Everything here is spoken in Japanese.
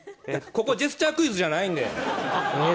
ここジェスチャークイズじゃないんでえ